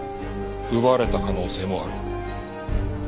奪われた可能性もある。